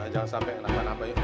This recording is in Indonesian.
jangan sampai kenapa napa yuk